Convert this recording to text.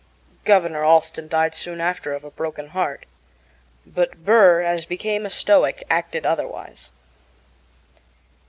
Governor Allston died soon after of a broken heart; but Burr, as became a Stoic, acted otherwise.